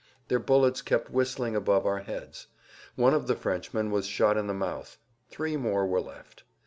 Their bullets kept whistling above our heads. One of the Frenchmen was shot in the mouth; three more were left.